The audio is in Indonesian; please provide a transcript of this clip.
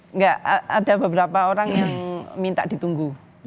enggak ada beberapa orang yang minta ditunggu